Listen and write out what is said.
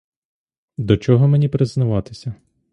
До чого мені признаватися?